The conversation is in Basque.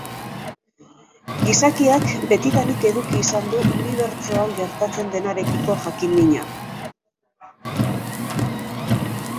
Gizakiak betidanik eduki izan du unibertsoan gertatzen denarekiko jakin-mina.